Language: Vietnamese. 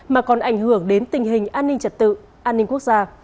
mà còn ảnh hưởng đến tình hình an ninh trật tự an ninh quốc gia